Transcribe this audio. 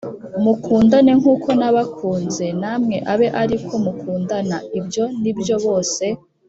Mukundane nk uko nabakunze h namwe abe ari ko mukundana ibyo ni byo bose